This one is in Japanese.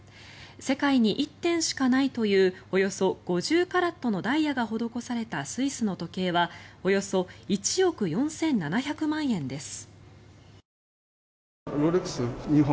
世界に１点しかないというおよそ５０カラットのダイヤが施されたスイスの時計はおよそ１億４７００万円です。